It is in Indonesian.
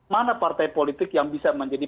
mana partai politik yang bisa menjadi